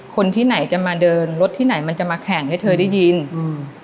คนที่ไหนจะมาเดินรถที่ไหนมันจะมาแข่งให้เธอได้ยินอืม